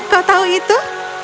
kau tahu itu